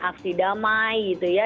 aksi damai gitu ya